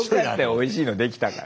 おいしいの出来たから。